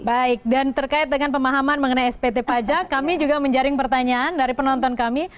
baik dan terkait dengan pemahaman mengenai spt pajak kami juga menjaring pertanyaan dari penonton kami